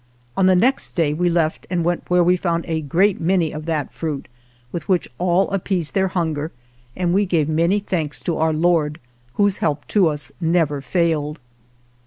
On the next day we left and went where we found a great many of that fruit with which all appeased their hun ger, and we gave many thanks to Our Lord, whose help to us never failed.